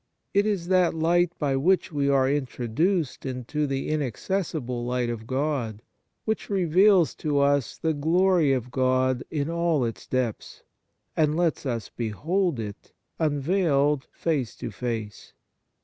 It is that light by which we are introduced into the inaccessible light of God, which reveals to us the glory of God in all its depths, and lets us behold it, unveiled, face to face.